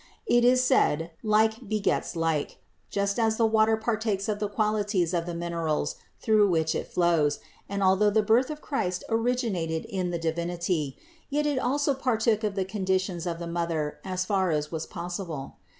It is said : like begets like: just as the water partakes of the qualities of the minerals through which it flows ; and although the birth of Christ originated in the Divinity, yet it also partook of the conditions of the Mother as far as was possible.